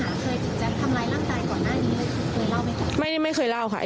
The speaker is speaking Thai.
ลูกสาวหลายครั้งแล้วว่าไม่ได้คุยกับแจ๊บเลยลองฟังนะคะ